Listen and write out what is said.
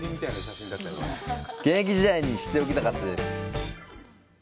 現役時代に知っておきたかったです。